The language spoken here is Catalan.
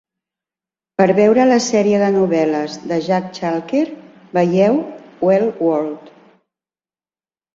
Per veure la sèrie de novel·les de Jack Chalker, vegeu Well World.